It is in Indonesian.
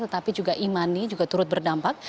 tetapi juga e money juga turut berdampak